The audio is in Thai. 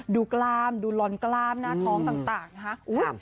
ดูกล้ามดูร้อนกล้ามหน้าท้องต่างนะคะ